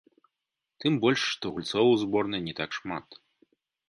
Тым больш, што гульцоў у зборнай не так шмат.